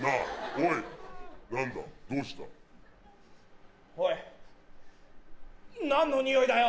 おい何のにおいだよ？